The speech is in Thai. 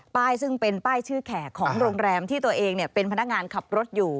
ซึ่งเป็นป้ายชื่อแขกของโรงแรมที่ตัวเองเป็นพนักงานขับรถอยู่